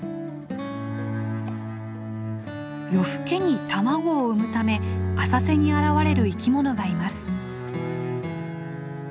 夜更けに卵を産むため浅瀬に現れる生きものがいます。